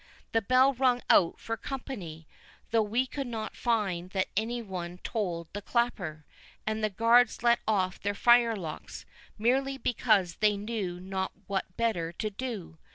The bell rung out for company, though we could not find that any one tolled the clapper, and the guards let off their firelocks, merely because they knew not what better to do.